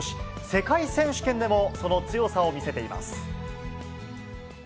世界選手権でも、その強さを見せています。